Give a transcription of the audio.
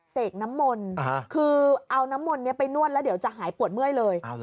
เสกน้ำมนต์คือเอาน้ำมนต์นี้ไปนวดแล้วเดี๋ยวจะหายปวดเมื่อยเลย